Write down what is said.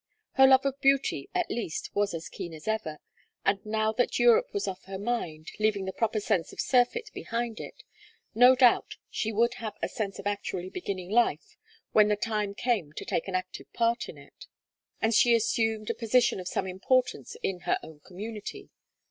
Her love of beauty at least was as keen as ever, and now that Europe was off her mind, leaving the proper sense of surfeit behind it, no doubt she would have a sense of actually beginning life when the time came to take an active part in it, and she assumed a position of some importance in her own community.